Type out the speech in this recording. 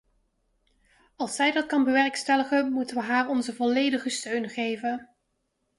Als zij dat kan bewerkstelligen, moeten wij haar onze volledige steun geven.